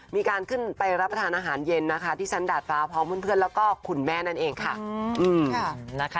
มีการขึ้นไปรับประทานอาหารเย็นนะคะที่ชั้นดาดฟ้าพร้อมเพื่อนแล้วก็คุณแม่นั่นเองค่ะ